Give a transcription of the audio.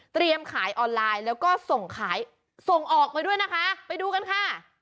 ขายออนไลน์แล้วก็ส่งขายส่งออกไปด้วยนะคะไปดูกันค่ะ